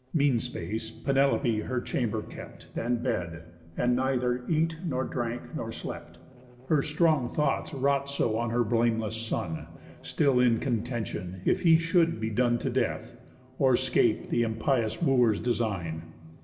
Mean space, Penelope her chamber kept And bed, and neither eat, nor drank, nor slept, Her strong thoughts wrought so on her blameless son, Still in contention, if he should be done To death, or 'scape the impious Wooers' design.